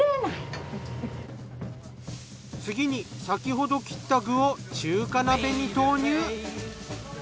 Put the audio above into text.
次に先ほど切った具を中華鍋に投入。